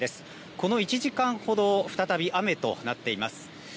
この１時間ほど再び雨となっています。